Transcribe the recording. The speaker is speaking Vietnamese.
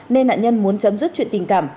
nên nạn nhân muốn chấm dứt chuyện tình cảm